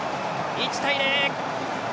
１対０！